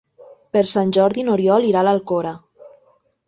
Per Sant Jordi n'Oriol irà a l'Alcora.